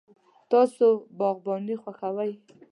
تاسو باغباني خوښوئ؟